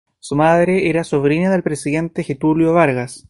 Su madre era sobrina del presidente Getúlio Vargas.